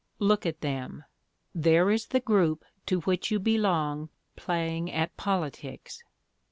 Look at them; there is the group to which you belong playing at politics.